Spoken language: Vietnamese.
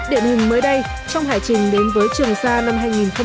điện hình mới đây trong hải trình đến với trường xa năm hai nghìn hai mươi bốn